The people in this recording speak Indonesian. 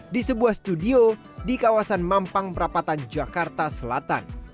di sebuah studio di kawasan mampang perapatan jakarta selatan